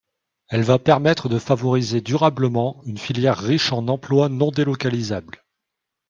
Elle va permettre de favoriser durablement une filière riche en emplois non délocalisables.